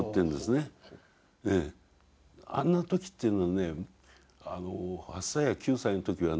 あんな時っていうのはね８歳や９歳の時はね